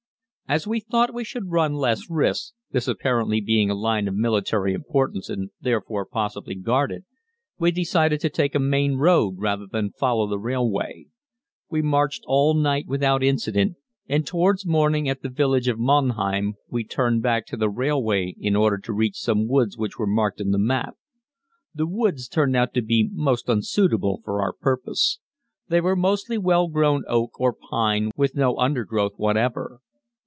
_ As we thought we should run less risks, this apparently being a line of military importance and therefore possibly guarded, we decided to take a main road rather than follow the railway. We marched all night without incident and towards morning at the village of Monheim we turned back to the railway in order to reach some woods which were marked on the map. The woods turned out to be most unsuitable for our purpose. They were mostly well grown oak or pine with no undergrowth whatever.